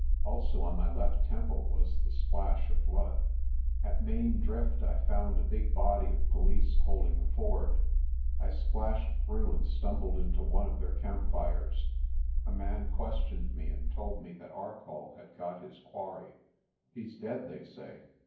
Also on my left temple was the splash of blood. At Main Drift I found a big body of police holding the ford. I splashed through and stumbled into one of their campfires. A man questioned me and told me that Arcoll had got his quarry. "He's dead, they say.